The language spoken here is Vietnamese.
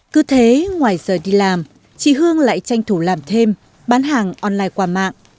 cứ thế ngoài giờ đi làm chị hương lại tranh thủ làm thêm bán hàng online qua mạng